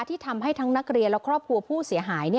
ที่ทำให้ทั้งนักเรียนและครอบครัวผู้เสียหาย